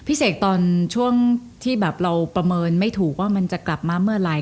เสกตอนช่วงที่แบบเราประเมินไม่ถูกว่ามันจะกลับมาเมื่อไหร่